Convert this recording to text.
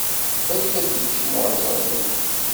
Balak ad d-yekcem warẓaz-nni!